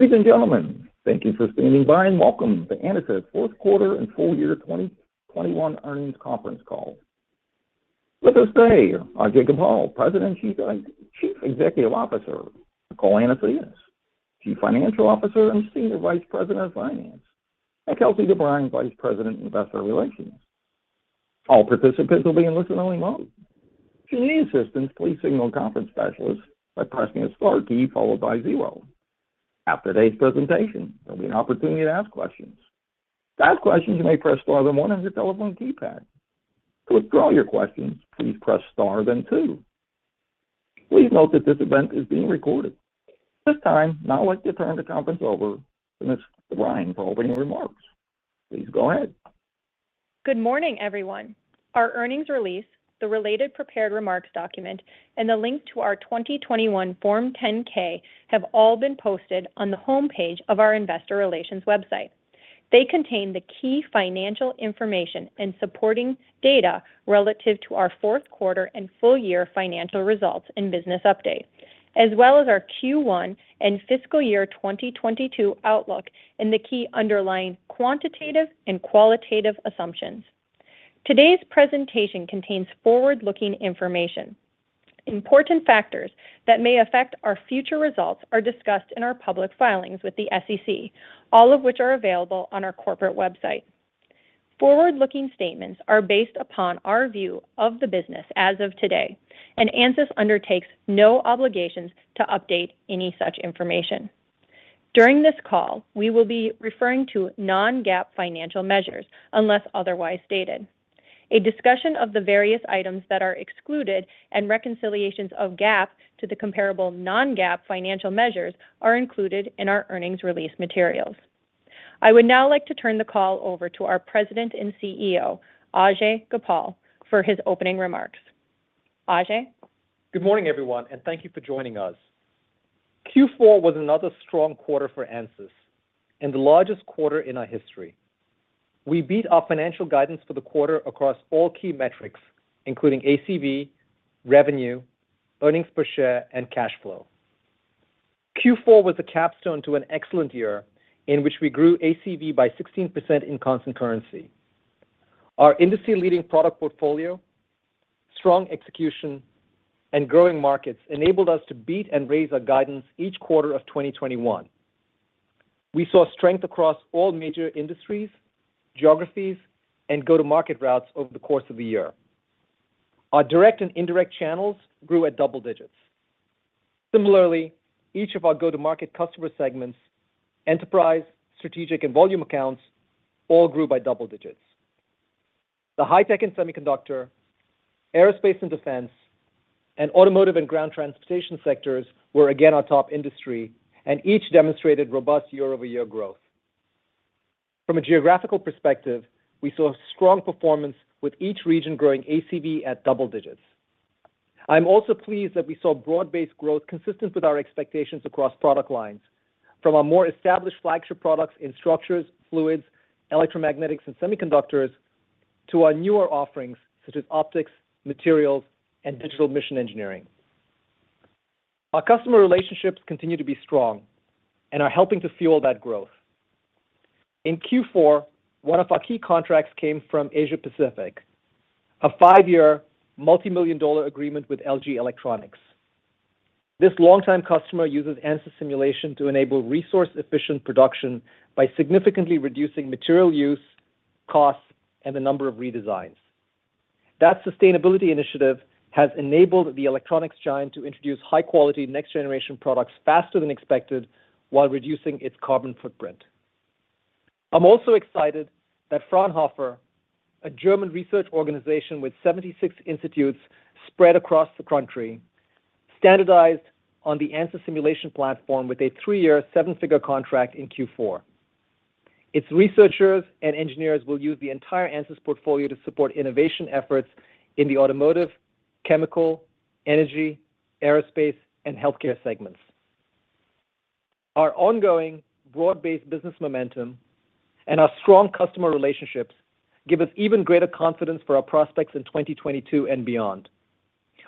Ladies and gentlemen, thank you for standing by, and welcome to Ansys' fourth quarter and full year 2021 earnings conference call. With us today are Ajei Gopal, President and Chief Executive Officer, Nicole Anasenes, Chief Financial Officer and Senior Vice President of Finance, and Kelsey DeBriyn, Vice President, Investor Relations. All participants will be in listen-only mode. If you need assistance, please signal a conference specialist by pressing the star key followed by zero. After today's presentation, there'll be an opportunity to ask questions. To ask questions, you may press star then one on your telephone keypad. To withdraw your questions, please press star then two. Please note that this event is being recorded. At this time, now I'd like to turn the conference over to Ms. DeBriyn for opening remarks. Please go ahead. Good morning, everyone. Our earnings release, the related prepared remarks document, and the link to our 2021 Form 10-K have all been posted on the homepage of our investor relations website. They contain the key financial information and supporting data relative to our fourth quarter and full year financial results and business update, as well as our Q1 and fiscal year 2022 outlook and the key underlying quantitative and qualitative assumptions. Today's presentation contains forward-looking information. Important factors that may affect our future results are discussed in our public filings with the SEC, all of which are available on our corporate website. Forward-looking statements are based upon our view of the business as of today, and Ansys undertakes no obligations to update any such information. During this call, we will be referring to non-GAAP financial measures, unless otherwise stated. A discussion of the various items that are excluded and reconciliations of GAAP to the comparable non-GAAP financial measures are included in our earnings release materials. I would now like to turn the call over to our President and CEO, Ajei Gopal, for his opening remarks. Ajei? Good morning, everyone, and thank you for joining us. Q4 was another strong quarter for Ansys and the largest quarter in our history. We beat our financial guidance for the quarter across all key metrics, including ACV, revenue, earnings per share, and cash flow. Q4 was a capstone to an excellent year in which we grew ACV by 16% in constant currency. Our industry-leading product portfolio, strong execution, and growing markets enabled us to beat and raise our guidance each quarter of 2021. We saw strength across all major industries, geographies, and go-to-market routes over the course of the year. Our direct and indirect channels grew at double digits. Similarly, each of our go-to-market customer segments, enterprise, strategic, and volume accounts, all grew by double digits. The high tech and semiconductor, aerospace and defense, and automotive and ground transportation sectors were again our top industry, and each demonstrated robust year-over-year growth. From a geographical perspective, we saw strong performance with each region growing ACV at double digits. I'm also pleased that we saw broad-based growth consistent with our expectations across product lines, from our more established flagship products in structures, fluids, electromagnetics, and semiconductors to our newer offerings, such as optics, materials, and digital mission engineering. Our customer relationships continue to be strong and are helping to fuel that growth. In Q4, one of our key contracts came from Asia Pacific, a five year multimillion-dollar agreement with LG Electronics. This longtime customer uses Ansys simulation to enable resource-efficient production by significantly reducing material use, costs, and the number of redesigns. That sustainability initiative has enabled the electronics giant to introduce high-quality next-generation products faster than expected while reducing its carbon footprint. I'm also excited that Fraunhofer, a German research organization with 76 institutes spread across the country, standardized on the Ansys simulation platform with a three-year seven-figure contract in Q4. Its researchers and engineers will use the entire Ansys portfolio to support innovation efforts in the automotive, chemical, energy, aerospace, and healthcare segments. Our ongoing broad-based business momentum and our strong customer relationships give us even greater confidence for our prospects in 2022 and beyond.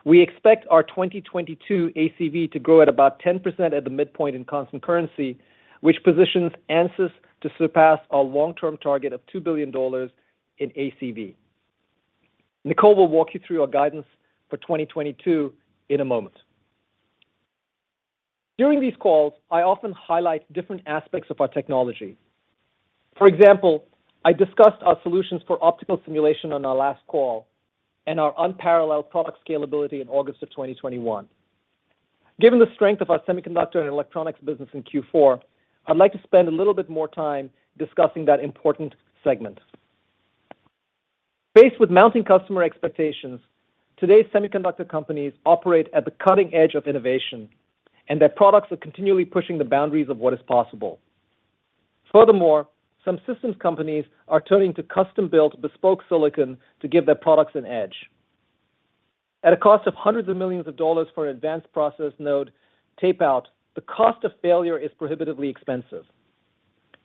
We expect our 2022 ACV to grow at about 10% at the midpoint in constant currency, which positions Ansys to surpass our long-term target of $2 billion in ACV. Nicole will walk you through our guidance for 2022 in a moment. During these calls, I often highlight different aspects of our technology. For example, I discussed our solutions for optical simulation on our last call and our unparalleled product scalability in August 2021. Given the strength of our semiconductor and electronics business in Q4, I'd like to spend a little bit more time discussing that important segment. Faced with mounting customer expectations, today's semiconductor companies operate at the cutting edge of innovation, and their products are continually pushing the boundaries of what is possible. Furthermore, some systems companies are turning to custom-built bespoke silicon to give their products an edge. At a cost of $hundreds of millions for an advanced process node tape-out, the cost of failure is prohibitively expensive.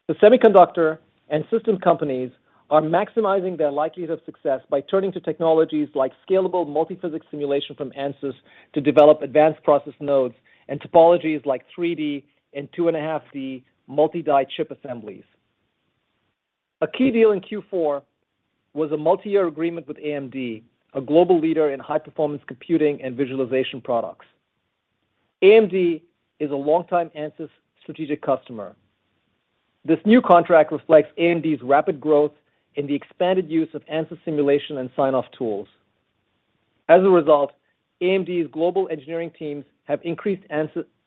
The semiconductor and system companies are maximizing their likelihood of success by turning to technologies like scalable multiphysics simulation from Ansys to develop advanced process nodes and topologies like 3D and 2.5D multi-die chip assemblies. A key deal in Q4 was a multi-year agreement with AMD, a global leader in high-performance computing and visualization products. AMD is a longtime Ansys strategic customer. This new contract reflects AMD's rapid growth in the expanded use of Ansys simulation and sign-off tools. As a result, AMD's global engineering teams have increased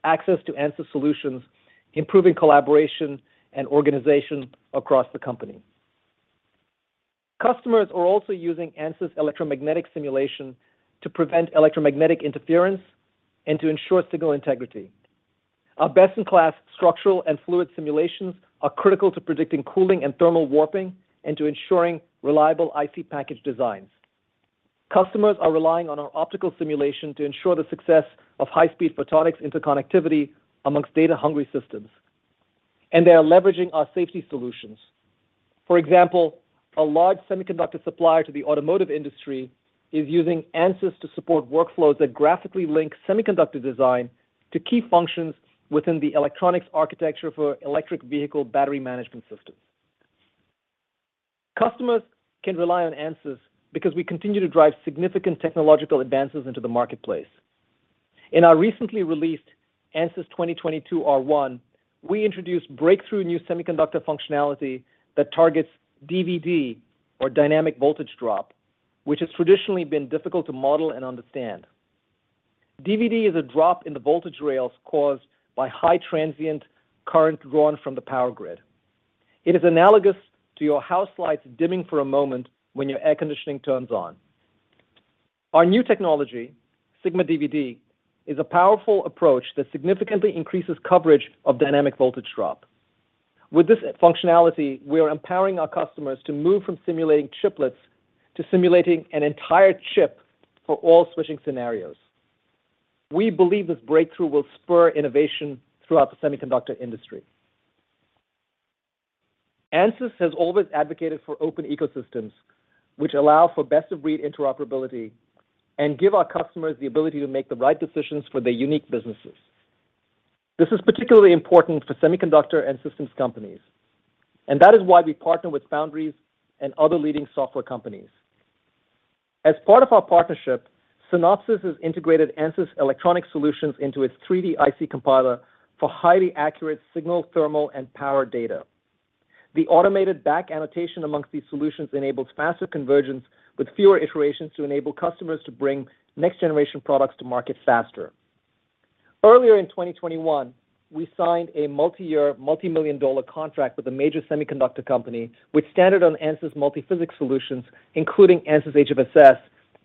access to Ansys solutions, improving collaboration and organization across the company. Customers are also using Ansys electromagnetic simulation to prevent electromagnetic interference and to ensure signal integrity. Our best-in-class structural and fluid simulations are critical to predicting cooling and thermal warping and to ensuring reliable IC package designs. Customers are relying on our optical simulation to ensure the success of high-speed photonics interconnectivity among data-hungry systems, and they are leveraging our safety solutions. For example, a large semiconductor supplier to the automotive industry is using Ansys to support workflows that graphically link semiconductor design to key functions within the electronics architecture for electric vehicle battery management systems. Customers can rely on Ansys because we continue to drive significant technological advances into the marketplace. In our recently released Ansys 2022 R1, we introduced breakthrough new semiconductor functionality that targets DVD, or dynamic voltage drop, which has traditionally been difficult to model and understand. DVD is a drop in the voltage rails caused by high transient current drawn from the power grid. It is analogous to your house lights dimming for a moment when your air conditioning turns on. Our new technology, SigmaDVD, is a powerful approach that significantly increases coverage of dynamic voltage drop. With this functionality, we are empowering our customers to move from simulating chiplets to simulating an entire chip for all switching scenarios. We believe this breakthrough will spur innovation throughout the semiconductor industry. Ansys has always advocated for open ecosystems which allow for best-of-breed interoperability and give our customers the ability to make the right decisions for their unique businesses. This is particularly important for semiconductor and systems companies, and that is why we partner with foundries and other leading software companies. As part of our partnership, Synopsys has integrated Ansys electronic solutions into its 3D-IC Compiler for highly accurate signal, thermal, and power data. The automated back annotation amongst these solutions enables faster convergence with fewer iterations to enable customers to bring next-generation products to market faster. Earlier in 2021, we signed a multi-year, $multi-million contract with a major semiconductor company, which standardized on Ansys multiphysics solutions, including Ansys HFSS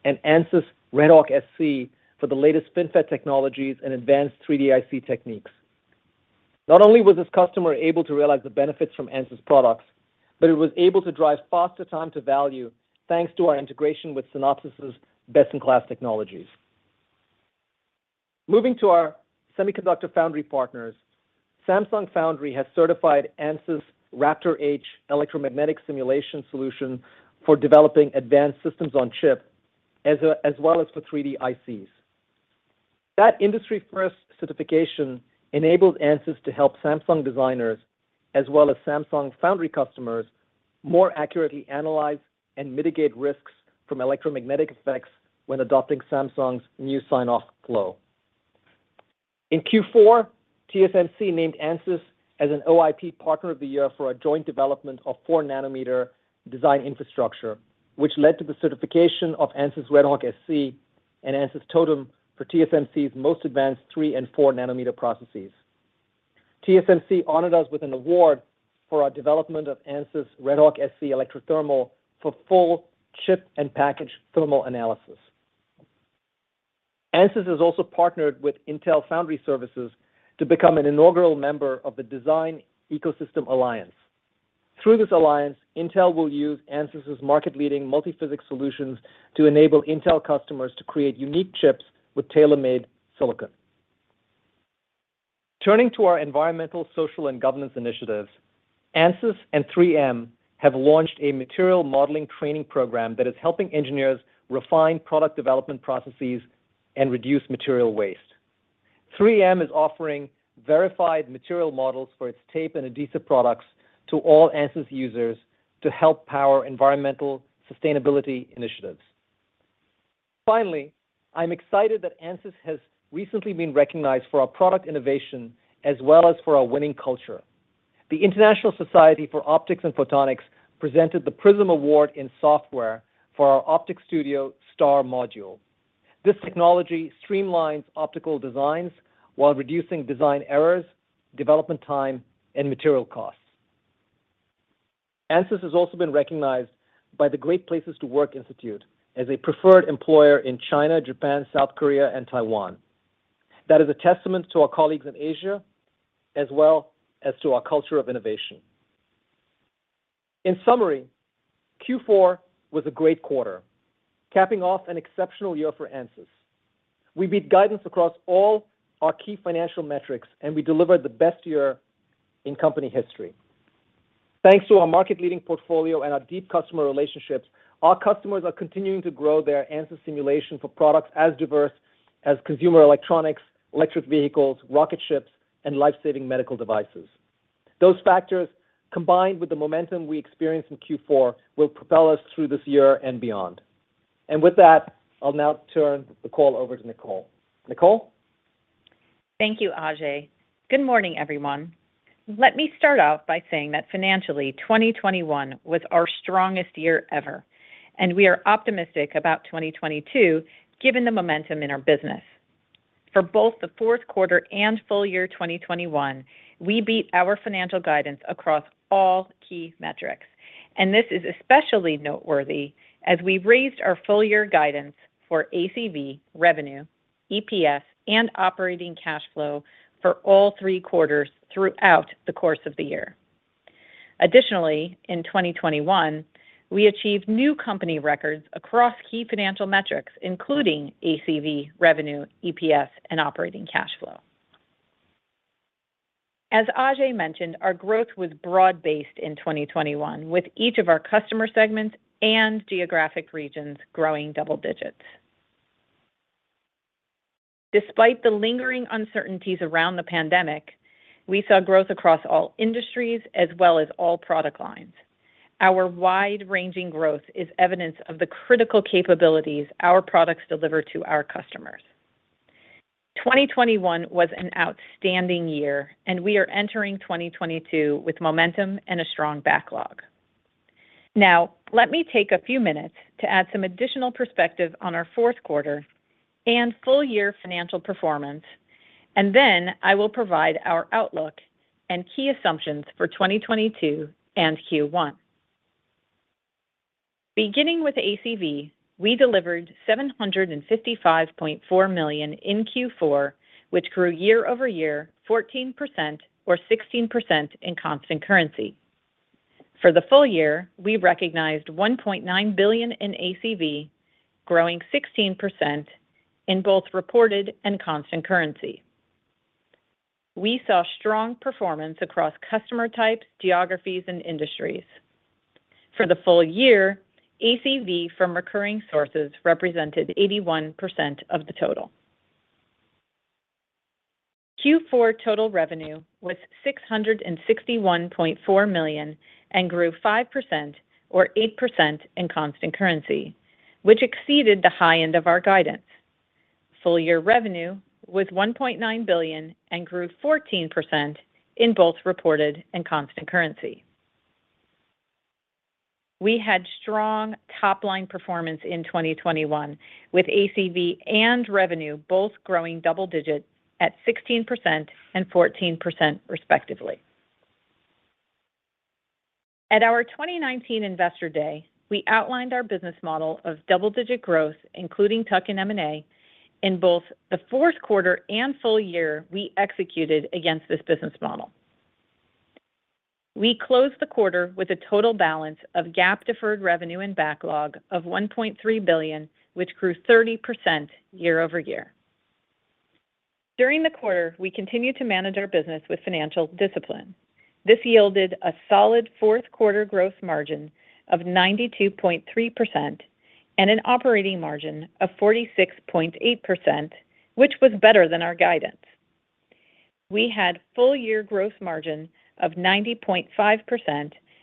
and Ansys RedHawk-SC for the latest FinFET technologies and advanced 3D IC techniques. Not only was this customer able to realize the benefits from Ansys products, but it was able to drive faster time to value thanks to our integration with Synopsys' best-in-class technologies. Moving to our semiconductor foundry partners, Samsung Foundry has certified Ansys' RaptorH electromagnetic simulation solution for developing advanced systems on chip as well as for 3D ICs. That industry-first certification enabled Ansys to help Samsung designers, as well as Samsung Foundry customers, more accurately analyze and mitigate risks from electromagnetic effects when adopting Samsung's new sign-off flow. In Q4, TSMC named Ansys as an OIP partner of the year for a joint development of 4-nanometer design infrastructure, which led to the certification of Ansys RedHawk-SC and Ansys Totem for TSMC's most advanced 3- and 4-nanometer processes. TSMC honored us with an award for our development of Ansys RedHawk-SC Electrothermal for full chip and package thermal analysis. Ansys has also partnered with Intel Foundry Services to become an inaugural member of the Design Ecosystem Alliance. Through this alliance, Intel will use Ansys' market-leading multiphysics solutions to enable Intel customers to create unique chips with tailor-made silicon. Turning to our environmental, social, and governance initiatives, Ansys and 3M have launched a material modeling training program that is helping engineers refine product development processes and reduce material waste. 3M is offering verified material models for its tape and adhesive products to all Ansys users to help power environmental sustainability initiatives. Finally, I'm excited that Ansys has recently been recognized for our product innovation as well as for our winning culture. The International Society for Optics and Photonics presented the Prism Award in software for our OpticStudio STAR Module. This technology streamlines optical designs while reducing design errors, development time, and material costs. Ansys has also been recognized by the Great Place to Work Institute as a preferred employer in China, Japan, South Korea, and Taiwan. That is a testament to our colleagues in Asia as well as to our culture of innovation. In summary, Q4 was a great quarter, capping off an exceptional year for Ansys. We beat guidance across all our key financial metrics, and we delivered the best year in company history. Thanks to our market-leading portfolio and our deep customer relationships, our customers are continuing to grow their Ansys simulation for products as diverse as consumer electronics, electric vehicles, rocket ships, and life-saving medical devices. Those factors, combined with the momentum we experienced in Q4, will propel us through this year and beyond. With that, I'll now turn the call over to Nicole. Nicole? Thank you, Ajei. Good morning, everyone. Let me start out by saying that financially, 2021 was our strongest year ever, and we are optimistic about 2022, given the momentum in our business. For both the fourth quarter and full year 2021, we beat our financial guidance across all key metrics. This is especially noteworthy as we raised our full year guidance for ACV, revenue, EPS, and operating cash flow for all three quarters throughout the course of the year. Additionally, in 2021, we achieved new company records across key financial metrics, including ACV, revenue, EPS, and operating cash flow. As Ajei mentioned, our growth was broad-based in 2021, with each of our customer segments and geographic regions growing double digits. Despite the lingering uncertainties around the pandemic, we saw growth across all industries as well as all product lines. Our wide-ranging growth is evidence of the critical capabilities our products deliver to our customers. 2021 was an outstanding year, and we are entering 2022 with momentum and a strong backlog. Now, let me take a few minutes to add some additional perspective on our fourth quarter and full year financial performance, and then I will provide our outlook and key assumptions for 2022 and Q1. Beginning with ACV, we delivered $755.4 million in Q4, which grew year-over-year 14% or 16% in constant currency. For the full year, we recognized $1.9 billion in ACV, growing 16% in both reported and constant currency. We saw strong performance across customer types, geographies, and industries. For the full year, ACV from recurring sources represented 81% of the total. Q4 total revenue was $661.4 million and grew 5% or 8% in constant currency, which exceeded the high end of our guidance. Full year revenue was $1.9 billion and grew 14% in both reported and constant currency. We had strong top-line performance in 2021, with ACV and revenue both growing double-digit at 16% and 14%, respectively. At our 2019 Investor Day, we outlined our business model of double-digit growth, including tuck-in M&A. In both the fourth quarter and full year, we executed against this business model. We closed the quarter with a total balance of GAAP deferred revenue and backlog of $1.3 billion, which grew 30% year-over-year. During the quarter, we continued to manage our business with financial discipline. This yielded a solid fourth quarter gross margin of 92.3% and an operating margin of 46.8%, which was better than our guidance. We had full year growth margin of 90.5%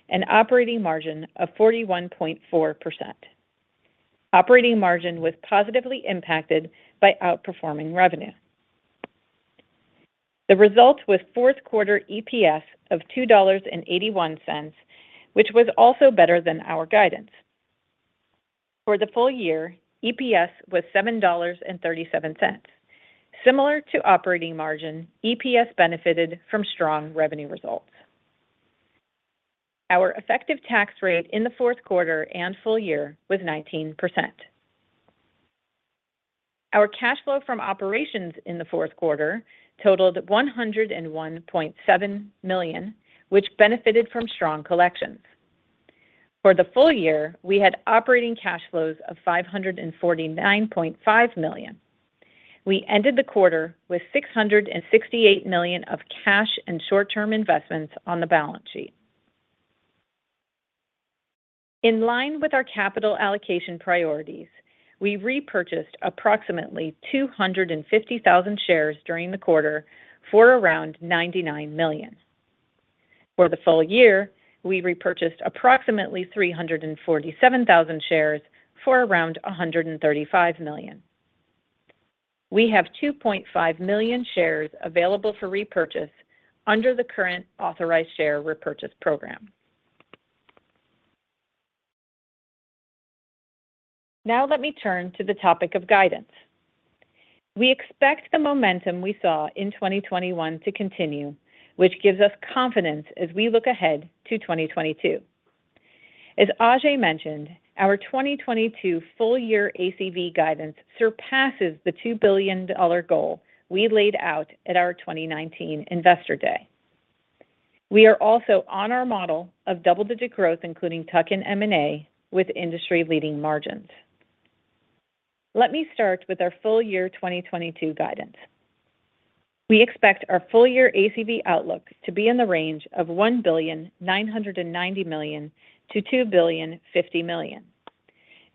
and operating margin of 41.4%. Operating margin was positively impacted by outperforming revenue. The result was fourth quarter EPS of $2.81, which was also better than our guidance. For the full year, EPS was $7.37. Similar to operating margin, EPS benefited from strong revenue results. Our effective tax rate in the fourth quarter and full year was 19%. Our cash flow from operations in the fourth quarter totaled $101.7 million, which benefited from strong collections. For the full year, we had operating cash flows of $549.5 million. We ended the quarter with $668 million of cash and short-term investments on the balance sheet. In line with our capital allocation priorities, we repurchased approximately 250,000 shares during the quarter for around $99 million. For the full year, we repurchased approximately 347,000 shares for around $135 million. We have 2.5 million shares available for repurchase under the current authorized share repurchase program. Now let me turn to the topic of guidance. We expect the momentum we saw in 2021 to continue, which gives us confidence as we look ahead to 2022. As Ajei mentioned, our 2022 full-year ACV guidance surpasses the $2 billion goal we laid out at our 2019 Investor Day. We are also on our model of double-digit growth, including tuck-in M&A with industry-leading margins. Let me start with our full year 2022 guidance. We expect our full year ACV outlook to be in the range of $1.99 billion-$2.05 billion.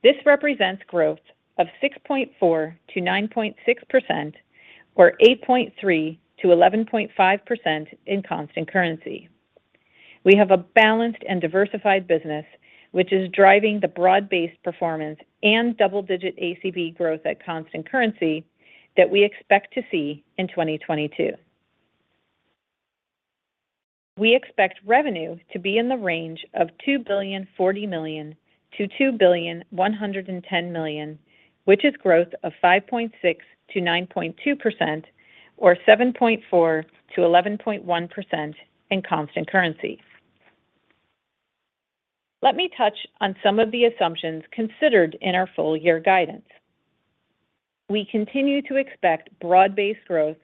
This represents growth of 6.4%-9.6% or 8.3%-11.5% in constant currency. We have a balanced and diversified business which is driving the broad-based performance and double-digit ACV growth at constant currency that we expect to see in 2022. We expect revenue to be in the range of $2.04 billion-$2.11 billion, which is growth of 5.6%-9.2% or 7.4%-11.1% in constant currency. Let me touch on some of the assumptions considered in our full year guidance. We continue to expect broad-based growth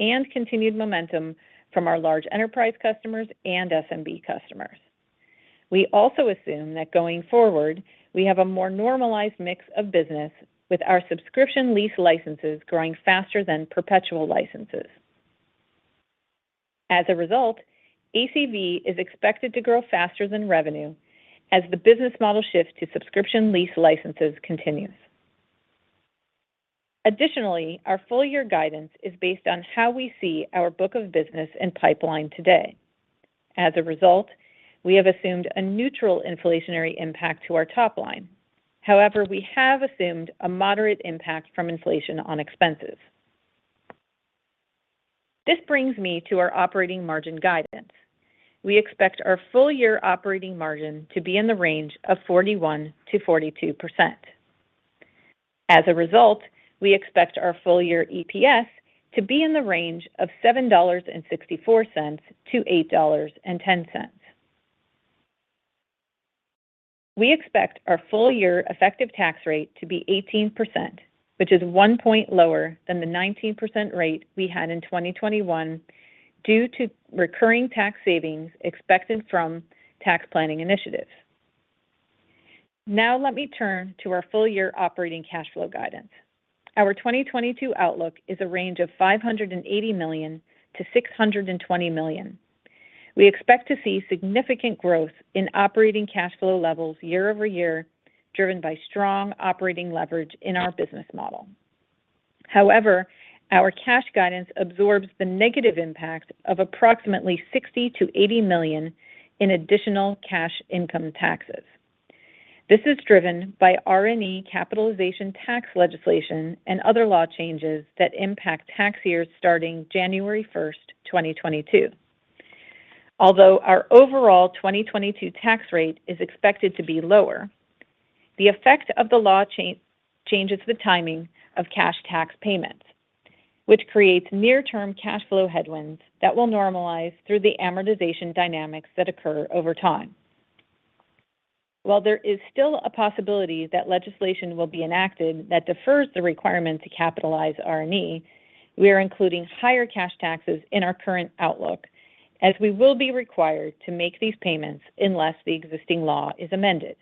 and continued momentum from our large enterprise customers and SMB customers. We also assume that going forward, we have a more normalized mix of business with our subscription lease licenses growing faster than perpetual licenses. As a result, ACV is expected to grow faster than revenue as the business model shift to subscription lease licenses continues. Additionally, our full year guidance is based on how we see our book of business and pipeline today. As a result, we have assumed a neutral inflationary impact to our top line. However, we have assumed a moderate impact from inflation on expenses. This brings me to our operating margin guidance. We expect our full year operating margin to be in the range of 41%-42%. As a result, we expect our full year EPS to be in the range of $7.64-$8.10. We expect our full year effective tax rate to be 18%, which is one point lower than the 19% rate we had in 2021 due to recurring tax savings expected from tax planning initiatives. Now let me turn to our full year operating cash flow guidance. Our 2022 outlook is a range of $580 million-$620 million. We expect to see significant growth in operating cash flow levels year-over-year, driven by strong operating leverage in our business model. However, our cash guidance absorbs the negative impact of approximately $60 million-$80 million in additional cash income taxes. This is driven by R&E capitalization tax legislation and other law changes that impact tax years starting January 1, 2022. Although our overall 2022 tax rate is expected to be lower, the effect of the law changes the timing of cash tax payments, which creates near-term cash flow headwinds that will normalize through the amortization dynamics that occur over time. While there is still a possibility that legislation will be enacted that defers the requirement to capitalize R&E, we are including higher cash taxes in our current outlook as we will be required to make these payments unless the existing law is amended.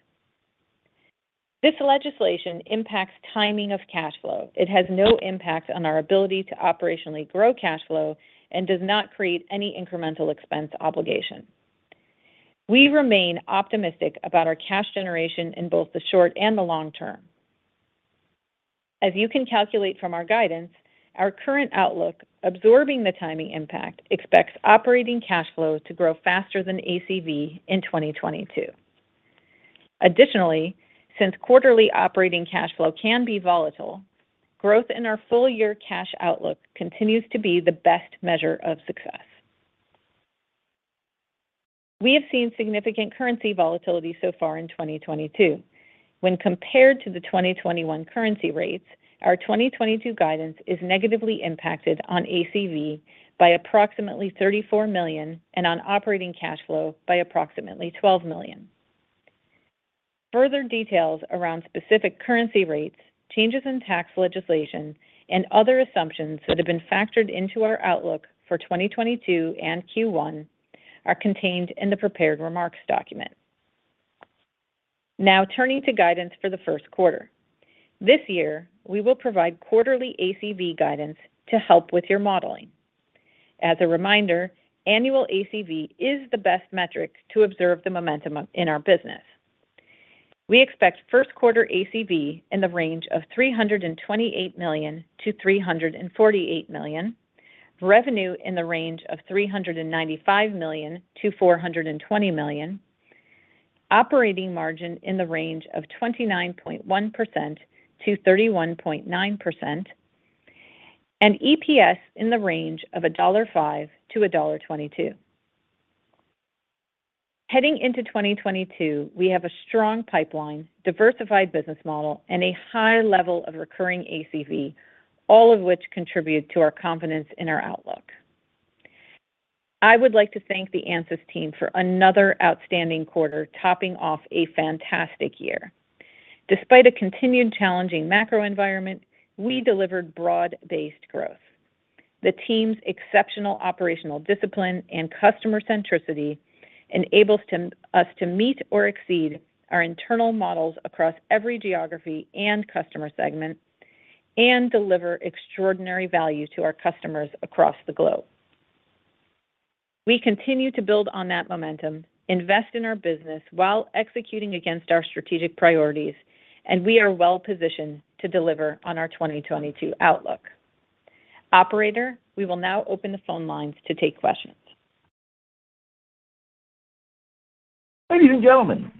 This legislation impacts timing of cash flow. It has no impact on our ability to operationally grow cash flow and does not create any incremental expense obligation. We remain optimistic about our cash generation in both the short and the long term. As you can calculate from our guidance, our current outlook, absorbing the timing impact, expects operating cash flow to grow faster than ACV in 2022. Additionally, since quarterly operating cash flow can be volatile, growth in our full year cash outlook continues to be the best measure of success. We have seen significant currency volatility so far in 2022. When compared to the 2021 currency rates, our 2022 guidance is negatively impacted on ACV by approximately $34 million and on operating cash flow by approximately $12 million. Further details around specific currency rates, changes in tax legislation, and other assumptions that have been factored into our outlook for 2022 and Q1 are contained in the prepared remarks document. Now turning to guidance for the first quarter. This year, we will provide quarterly ACV guidance to help with your modeling. As a reminder, annual ACV is the best metric to observe the momentum in our business. We expect first quarter ACV in the range of $328 million-$348 million, revenue in the range of $395 million-$420 million, operating margin in the range of 29.1%-31.9%, and EPS in the range of $1.05-$1.22. Heading into 2022, we have a strong pipeline, diversified business model, and a high level of recurring ACV, all of which contribute to our confidence in our outlook. I would like to thank the Ansys team for another outstanding quarter topping off a fantastic year. Despite a continued challenging macro environment, we delivered broad-based growth. The team's exceptional operational discipline and customer centricity enables us to meet or exceed our internal models across every geography and customer segment and deliver extraordinary value to our customers across the globe. We continue to build on that momentum, invest in our business while executing against our strategic priorities, and we are well-positioned to deliver on our 2022 outlook. Operator, we will now open the phone lines to take questions. Ladies and gentlemen,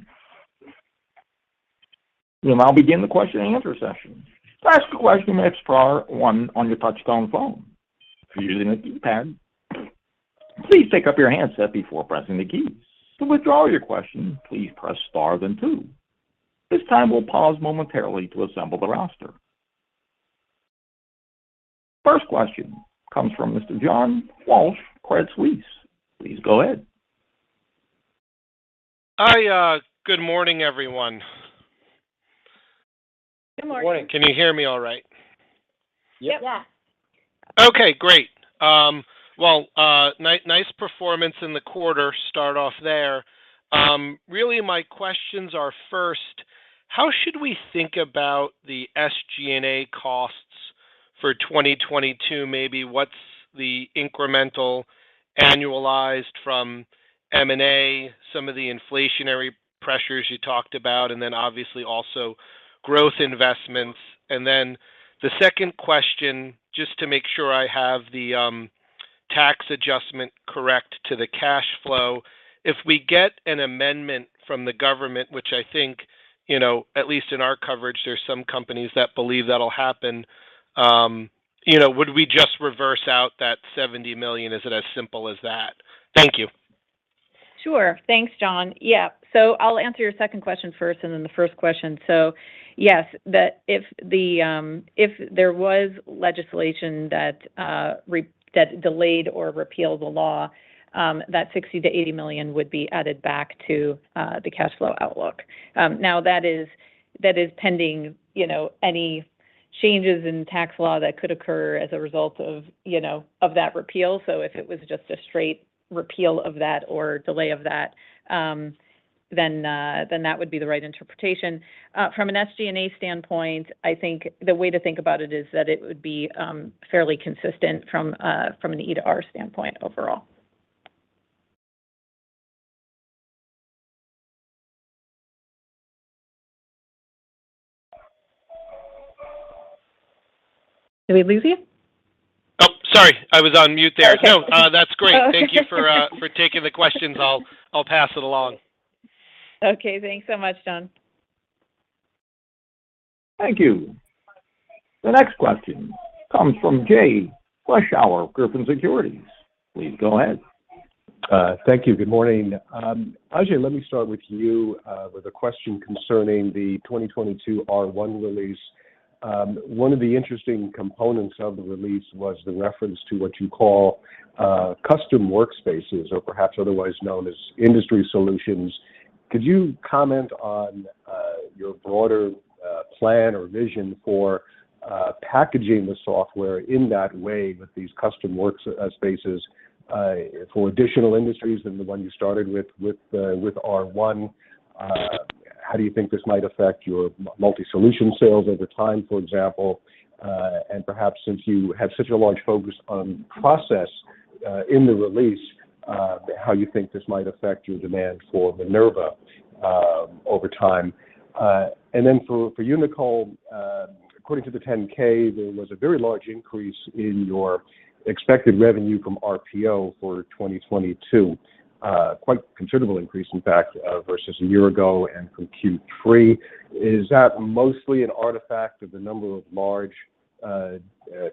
we will now begin the question-and-answer session. To ask a question, press star one on your touchtone phone. If you're using a keypad, please pick up your handset before pressing the keys. To withdraw your question, please press star then two. This time we'll pause momentarily to assemble the roster. First question comes from Mr. John Walsh, Credit Suisse. Please go ahead. Hi. Good morning, everyone. Good morning. Can you hear me all right? Yep. Yeah. Okay, great. Well, nice performance in the quarter. Start off there. Really, my questions are, first, how should we think about the SG&A costs for 2022? Maybe what's the incremental annualized from M&A, some of the inflationary pressures you talked about, and then obviously also growth investments. Then the second question, just to make sure I have the tax adjustment correct to the cash flow. If we get an amendment from the government, which I think, you know, at least in our coverage, there's some companies that believe that'll happen, you know, would we just reverse out that $70 million? Is it as simple as that? Thank you. Sure. Thanks, John. Yeah. I'll answer your second question first and then the first question. Yes, if there was legislation that delayed or repealed the law, that $60 million-$80 million would be added back to the cash flow outlook. Now that is pending any changes in tax law that could occur as a result of that repeal. If it was just a straight repeal of that or delay of that, then that would be the right interpretation. From an SG&A standpoint, I think the way to think about it is that it would be fairly consistent from an R&E standpoint overall. Did we lose you? Oh, sorry, I was on mute there. Oh, okay. No, that's great. Thank you for taking the questions. I'll pass it along. Okay. Thanks so much, John. Thank you. The next question comes from Jay Vleeschhouwer of Griffin Securities. Please go ahead. Thank you. Good morning. Ajei, let me start with you, with a question concerning the 2022 R1 release. One of the interesting components of the release was the reference to what you call custom workspaces or perhaps otherwise known as industry solutions. Could you comment on your broader plan or vision for packaging the software in that way with these custom workspaces for additional industries than the one you started with R1? How do you think this might affect your multi-solution sales over time, for example? Perhaps since you have such a large focus on process in the release, how you think this might affect your demand for Minerva over time. For you, Nicole, according to the 10-K, there was a very large increase in your expected revenue from RPO for 2022. Quite considerable increase, in fact, versus a year ago and from Q3. Is that mostly an artifact of the number of large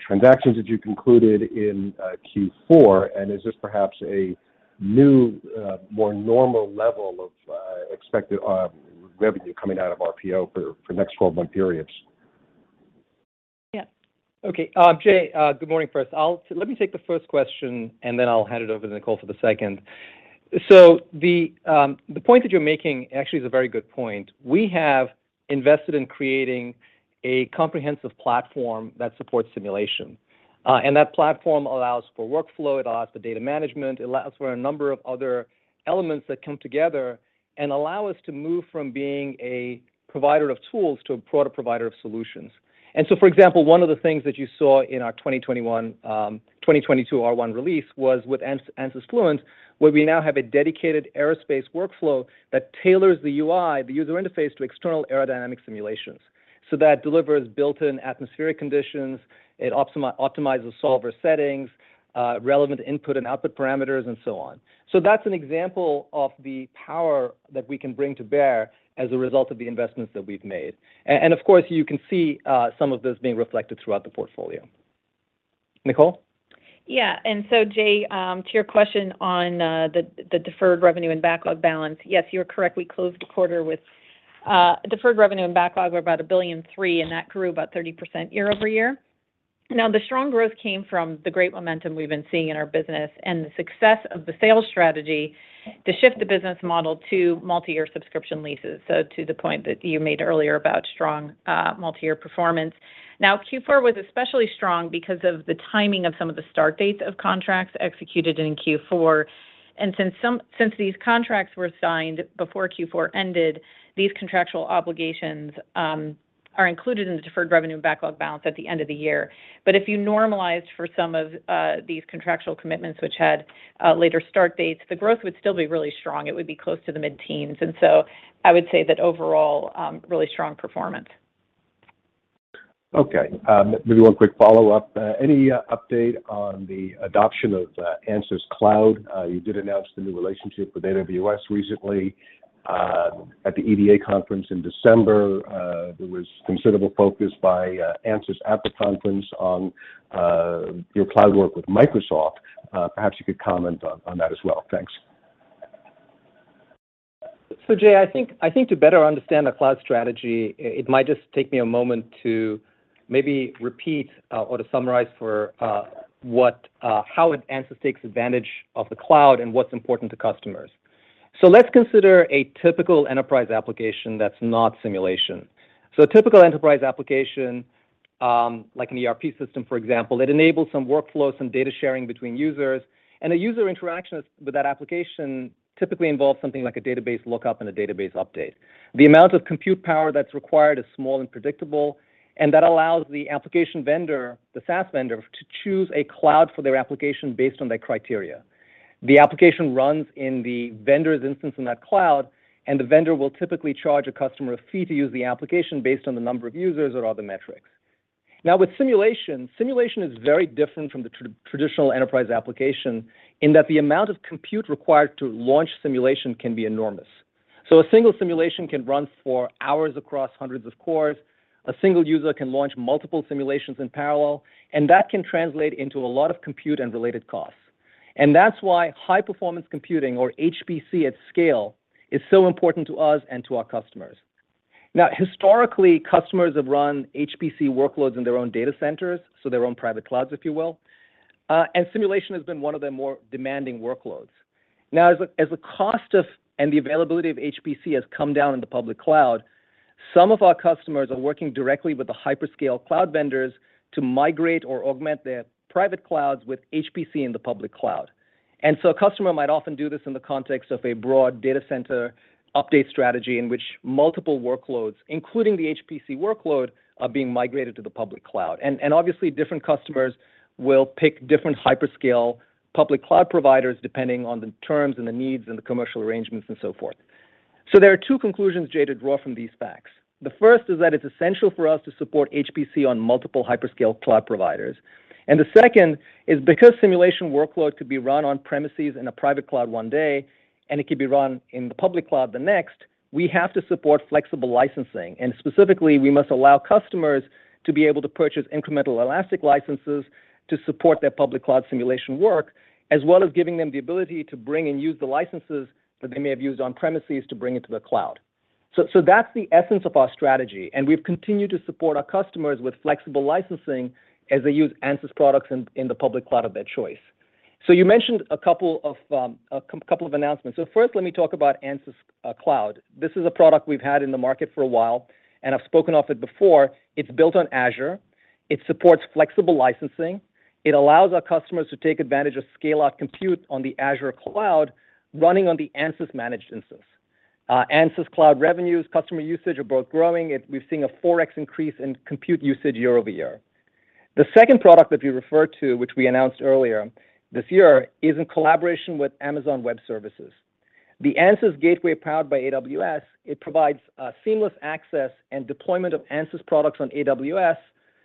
transactions that you concluded in Q4? And is this perhaps a new more normal level of expected revenue coming out of RPO for next twelve-month periods? Yeah. Okay. Jay, good morning first. Let me take the first question, and then I'll hand it over to Nicole for the second. The point that you're making actually is a very good point. We have invested in creating a comprehensive platform that supports simulation. That platform allows for workflow, it allows for data management, it allows for a number of other elements that come together and allow us to move from being a provider of tools to a provider of solutions. For example, one of the things that you saw in our 2022 R1 release was with Ansys Fluent, where we now have a dedicated aerospace workflow that tailors the UI, the user interface, to external aerodynamic simulations. That delivers built-in atmospheric conditions. It optimizes solver settings, relevant input and output parameters, and so on. That's an example of the power that we can bring to bear as a result of the investments that we've made. Of course, you can see some of this being reflected throughout the portfolio. Nicole? Jay, to your question on the deferred revenue and backlog balance, yes, you're correct. We closed the quarter. Deferred revenue and backlog were about $1.3 billion, and that grew about 30% year-over-year. The strong growth came from the great momentum we've been seeing in our business and the success of the sales strategy to shift the business model to multi-year subscription leases, so to the point that you made earlier about strong, multi-year performance. Q4 was especially strong because of the timing of some of the start dates of contracts executed in Q4. Since these contracts were signed before Q4 ended, these contractual obligations are included in the deferred revenue and backlog balance at the end of the year. If you normalized for some of these contractual commitments, which had later start dates, the growth would still be really strong. It would be close to the mid-teens. And so I would say that overall, really strong performance. Okay. Maybe one quick follow-up. Any update on the adoption of Ansys Cloud? You did announce the new relationship with AWS recently. At the EDA conference in December, there was considerable focus by Ansys at the conference on your cloud work with Microsoft. Perhaps you could comment on that as well. Thanks. Jay, I think to better understand the cloud strategy, it might just take me a moment to maybe repeat or to summarize how Ansys takes advantage of the cloud and what's important to customers. Let's consider a typical enterprise application that's not simulation. A typical enterprise application, like an ERP system, for example, it enables some workflow, some data sharing between users, and a user interaction with that application typically involves something like a database lookup and a database update. The amount of compute power that's required is small and predictable, and that allows the application vendor, the SaaS vendor, to choose a cloud for their application based on their criteria. The application runs in the vendor's instance in that cloud, and the vendor will typically charge a customer a fee to use the application based on the number of users or other metrics. Now, with simulation is very different from the traditional enterprise application in that the amount of compute required to launch simulation can be enormous. So a single simulation can run for hours across hundreds of cores. A single user can launch multiple simulations in parallel, and that can translate into a lot of compute and related costs. That's why high-performance computing or HPC at scale is so important to us and to our customers. Now, historically, customers have run HPC workloads in their own data centers, so their own private clouds, if you will, and simulation has been one of their more demanding workloads. Now, as the cost of, and the availability of HPC has come down in the public cloud, some of our customers are working directly with the hyperscale cloud vendors to migrate or augment their private clouds with HPC in the public cloud. Obviously, different customers will pick different hyperscale public cloud providers depending on the terms and the needs and the commercial arrangements and so forth. There are two conclusions, Jay, to draw from these facts. The first is that it's essential for us to support HPC on multiple hyperscale cloud providers. The second is because simulation workloads could be run on premises in a private cloud one day and it could be run in the public cloud the next, we have to support flexible licensing. Specifically, we must allow customers to be able to purchase incremental elastic licenses to support their public cloud simulation work, as well as giving them the ability to bring and use the licenses that they may have used on premises to bring it to the cloud. That's the essence of our strategy, and we've continued to support our customers with flexible licensing as they use Ansys products in the public cloud of their choice. You mentioned a couple of announcements. First, let me talk about Ansys Cloud. This is a product we've had in the market for a while, and I've spoken of it before. It's built on Azure. It supports flexible licensing. It allows our customers to take advantage of scale-out compute on the Azure cloud running on the Ansys managed instance. Ansys cloud revenues, customer usage are both growing. We're seeing a 4x increase in compute usage year-over-year. The second product that you referred to, which we announced earlier this year, is in collaboration with Amazon Web Services. The Ansys Gateway powered by AWS, it provides seamless access and deployment of Ansys products on AWS.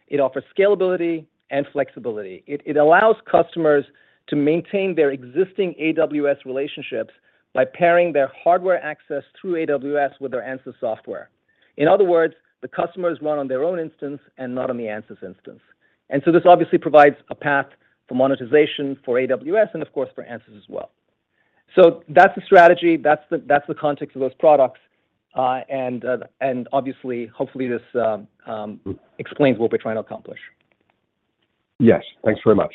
It offers scalability and flexibility. It allows customers to maintain their existing AWS relationships by pairing their hardware access through AWS with their Ansys software. In other words, the customers run on their own instance and not on the Ansys instance. This obviously provides a path for monetization for AWS and of course, for Ansys as well. That's the strategy. That's the context of those products. Obviously, hopefully, this explains what we're trying to accomplish. Yes. Thanks very much.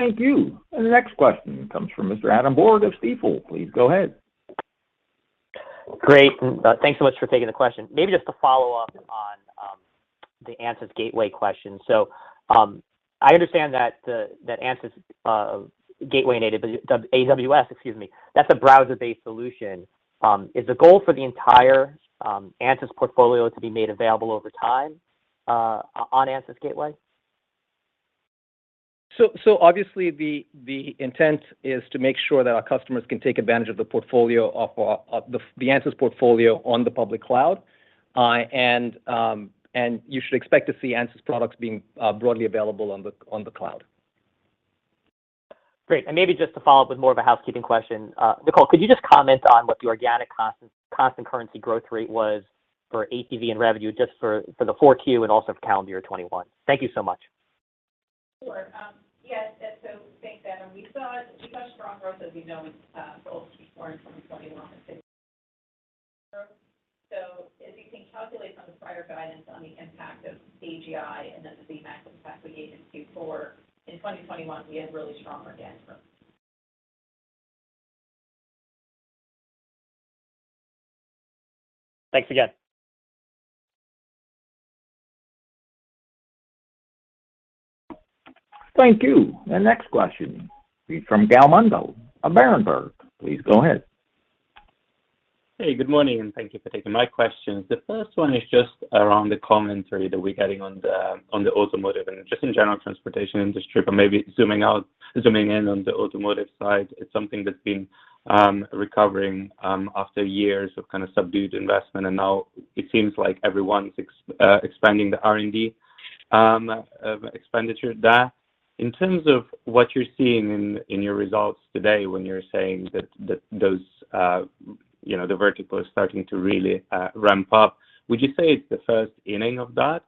Thank you. The next question comes from Mr. Adam Borg of Stifel. Please go ahead. Great. Thanks so much for taking the question. Maybe just to follow up on the Ansys Gateway question. I understand that Ansys Gateway powered by AWS, excuse me, that's a browser-based solution. Is the goal for the entire Ansys portfolio to be made available over time on Ansys Gateway? Obviously the intent is to make sure that our customers can take advantage of the portfolio of the Ansys portfolio on the public cloud. You should expect to see Ansys products being broadly available on the cloud. Great. Maybe just to follow up with more of a housekeeping question. Nicole, could you just comment on what the organic constant currency growth rate was for ACV and revenue just for Q4 and also for calendar year 2021? Thank you so much. Sure. Yeah, thanks, Adam. We saw strong growth as we know in both Q4 in 2021 and the full year. As you can calculate from the prior guidance on the impact of AGI, and that would be maximum impact we gave in Q4 in 2021, we had really strong organic growth. Thanks again. Thank you. The next question will be from Gal Munda of Berenberg. Please go ahead. Hey, good morning, and thank you for taking my questions. The first one is just around the commentary that we're getting on the automotive and just in general transportation industry, but maybe zooming in on the automotive side. It's something that's been recovering after years of kind of subdued investment, and now it seems like everyone's expanding the R&D expenditure there. In terms of what you're seeing in your results today when you're saying that those, you know, the vertical is starting to really ramp up, would you say it's the first inning of that?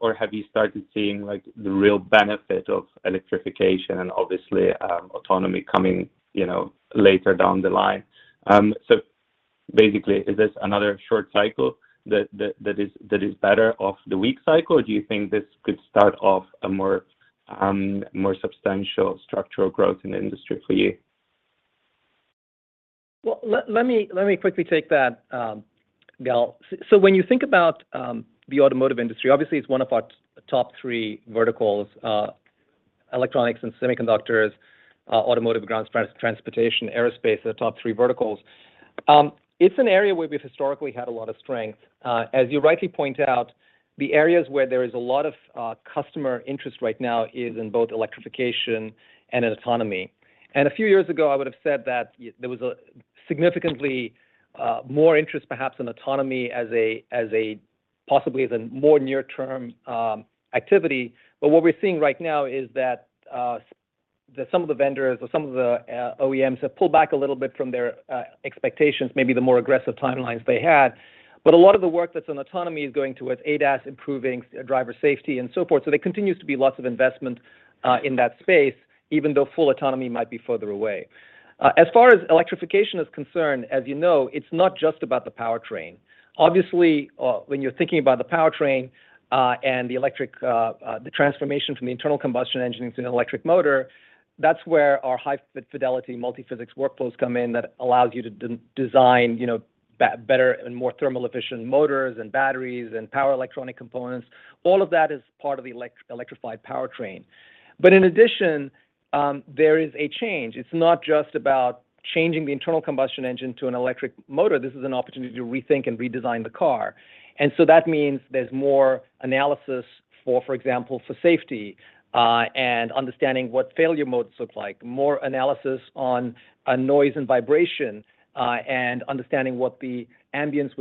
Or have you started seeing, like, the real benefit of electrification and obviously, autonomy coming, you know, later down the line? Basically, is this another short cycle that is better off the weak cycle, or do you think this could start off a more substantial structural growth in the industry for you? Well, let me quickly take that, Gal. When you think about the automotive industry, obviously it's one of our top three verticals. Electronics and semiconductors, automotive ground transportation, aerospace are the top three verticals. It's an area where we've historically had a lot of strength. As you rightly point out, the areas where there is a lot of customer interest right now is in both electrification and in autonomy. A few years ago, I would have said that there was a significantly more interest perhaps in autonomy as a possibly the more near-term activity. What we're seeing right now is that some of the vendors or some of the OEMs have pulled back a little bit from their expectations, maybe the more aggressive timelines they had. A lot of the work that's on autonomy is going towards ADAS, improving driver safety, and so forth. There continues to be lots of investment in that space, even though full autonomy might be further away. As far as electrification is concerned, as you know, it's not just about the powertrain. Obviously, when you're thinking about the powertrain, and the electric, the transformation from the internal combustion engine to an electric motor, that's where our high-fidelity multiphysics workflows come in that allows you to redesign, you know, better and more thermal efficient motors and batteries and power electronic components. All of that is part of the electrified powertrain. In addition, there is a change. It's not just about changing the internal combustion engine to an electric motor. This is an opportunity to rethink and redesign the car. That means there's more analysis for example, for safety, and understanding what failure modes look like, more analysis on noise and vibration, and understanding what the ambient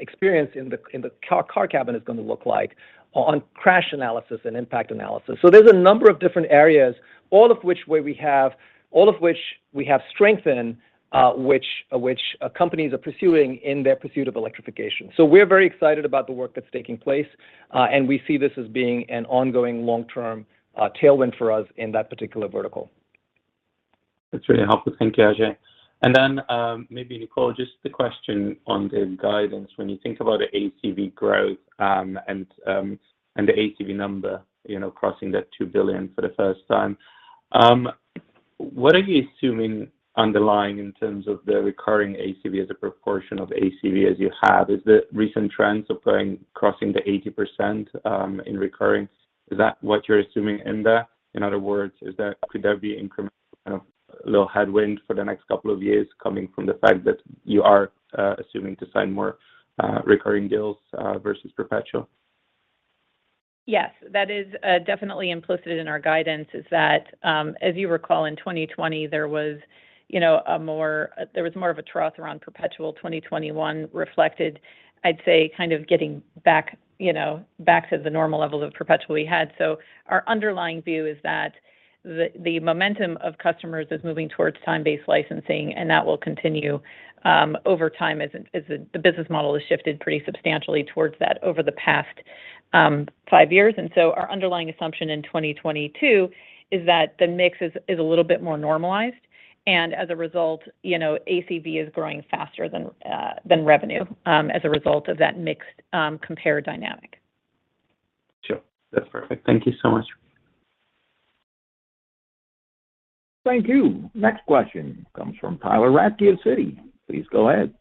experience in the car cabin is gonna look like, on crash analysis and impact analysis. There's a number of different areas, all of which we have strength in, which companies are pursuing in their pursuit of electrification. We're very excited about the work that's taking place, and we see this as being an ongoing long-term tailwind for us in that particular vertical. That's really helpful. Thank you, Ajei. Then, maybe Nicole, just a question on the guidance. When you think about the ACV growth, and the ACV number, you know, crossing that $2 billion for the first time, what are you assuming underlying in terms of the recurring ACV as a proportion of ACV as you have? Is the recent trends of going, crossing the 80% in recurring, is that what you're assuming in there? In other words, could there be incremental, you know, little headwind for the next couple of years coming from the fact that you are assuming to sign more recurring deals versus perpetual? Yes. That is definitely implicit in our guidance is that, as you recall, in 2020, there was, you know, more of a trough around perpetual. 2021 reflected, I'd say, kind of getting back, you know, to the normal level of perpetual we had. Our underlying view is that the momentum of customers is moving towards time-based licensing, and that will continue over time as the business model has shifted pretty substantially towards that over the past five years. Our underlying assumption in 2022 is that the mix is a little bit more normalized. As a result, you know, ACV is growing faster than revenue as a result of that mix dynamics. Sure. That's perfect. Thank you so much. Thank you. Next question comes from Tyler Radke of Citi. Please go ahead.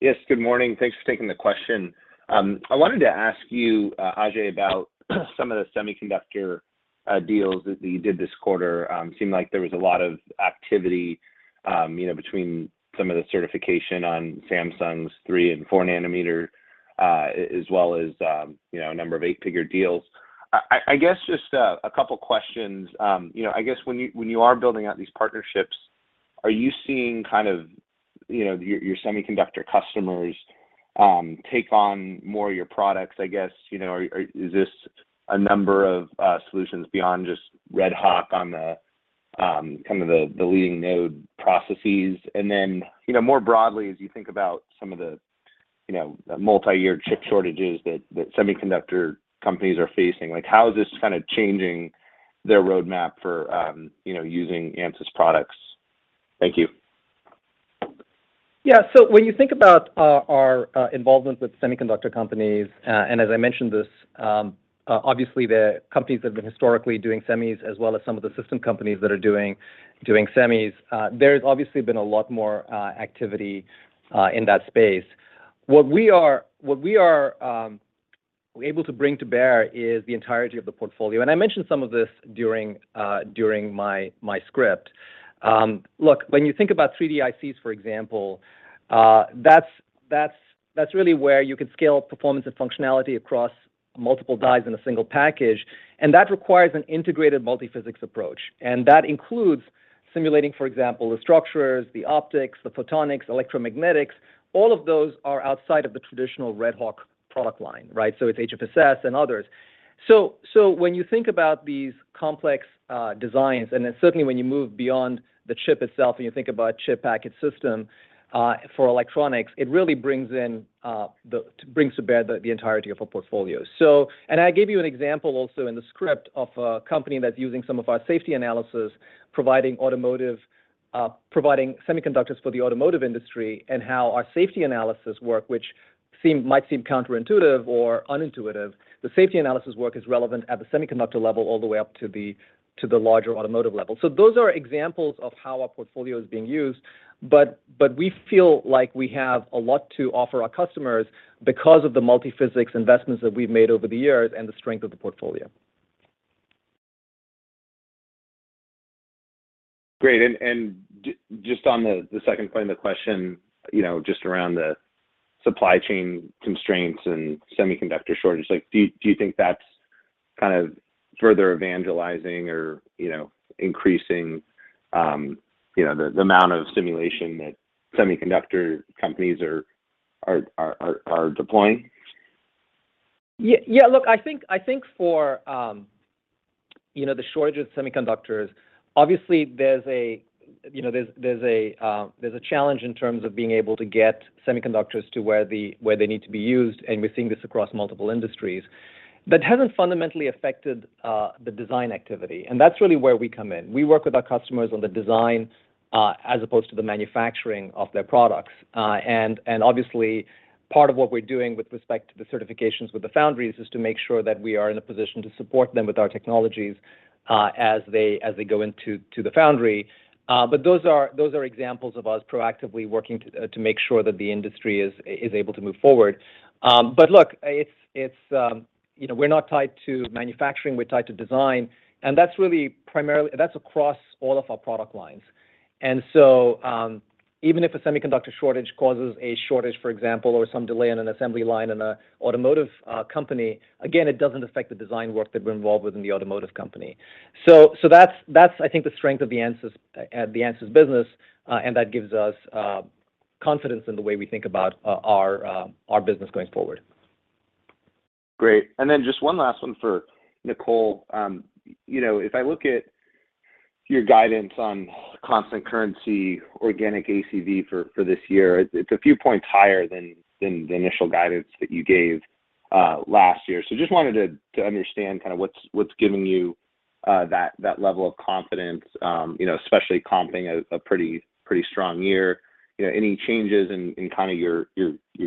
Yes, good morning. Thanks for taking the question. I wanted to ask you, Ajei, about some of the semiconductor deals that you did this quarter. Seemed like there was a lot of activity, you know, between some of the certification on Samsung's 3 and 4 nanometer, as well as, you know, a number of eight-figure deals. I guess just a couple questions. You know, I guess when you are building out these partnerships, are you seeing kind of, you know, your semiconductor customers take on more of your products, I guess? You know, is this a number of solutions beyond just RedHawk on the kind of the leading node processes and then, you know, more broadly as you think about some of the, you know, the multi-year chip shortages that semiconductor companies are facing. Like, how is this kind of changing their roadmap for, you know, using Ansys products? Thank you. Yeah. When you think about our involvement with semiconductor companies, and as I mentioned this, obviously the companies that have been historically doing semis as well as some of the system companies that are doing semis, there's obviously been a lot more activity in that space. What we are able to bring to bear is the entirety of the portfolio, and I mentioned some of this during my script. Look, when you think about 3D ICs, for example, that's really where you could scale performance and functionality across multiple dies in a single package, and that requires an integrated multiphysics approach, and that includes simulating, for example, the structures, the optics, the photonics, electromagnetics, all of those are outside of the traditional RedHawk product line, right? It's HFSS and others. When you think about these complex designs, and then certainly when you move beyond the chip itself and you think about chip package system for electronics, it really brings to bear the entirety of our portfolio. I gave you an example also in the script of a company that's using some of our safety analysis, providing semiconductors for the automotive industry and how our safety analysis work, which might seem counterintuitive or unintuitive. The safety analysis work is relevant at the semiconductor level all the way up to the larger automotive level. Those are examples of how our portfolio is being used, but we feel like we have a lot to offer our customers because of the multi-physics investments that we've made over the years and the strength of the portfolio. Great. Just on the second point of the question, you know, just around the supply chain constraints and semiconductor shortage, like, do you think that's kind of further evangelizing or, you know, increasing, you know, the amount of simulation that semiconductor companies are deploying? Yeah. Look, I think for you know, the shortage of semiconductors, obviously there's a you know, challenge in terms of being able to get semiconductors to where they need to be used, and we're seeing this across multiple industries, but hasn't fundamentally affected the design activity, and that's really where we come in. We work with our customers on the design as opposed to the manufacturing of their products. Obviously part of what we're doing with respect to the certifications with the foundries is to make sure that we are in a position to support them with our technologies as they go into the foundry. Those are examples of us proactively working to make sure that the industry is able to move forward. Look, it's you know, we're not tied to manufacturing, we're tied to design, and that's really primarily across all of our product lines. Even if a semiconductor shortage causes a shortage, for example, or some delay in an assembly line in an automotive company, again, it doesn't affect the design work that we're involved with in the automotive company. That's I think the strength of the Ansys business, and that gives us confidence in the way we think about our business going forward. Great. Then just one last one for Nicole. You know, if I look at your guidance on constant currency organic ACV for this year, it's a few points higher than the initial guidance that you gave last year. Just wanted to understand kind of what's giving you that level of confidence, you know, especially comping a pretty strong year. You know, any changes in kind of your